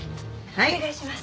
お願いします。